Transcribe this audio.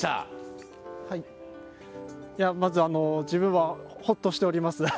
まず、自分はほっとしております。